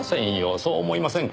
そう思いませんか？